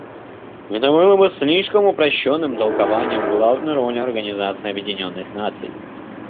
Это бы было слишком упрощенным толкованием главной роли Организации Объединенных Наций.